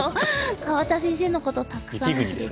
川端先生のことたくさん知れて。